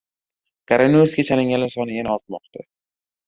Koronavirusga chalinganlar soni yana ortmoqda